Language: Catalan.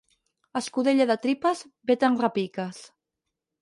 Escudella de tripes, bé te'n repiques.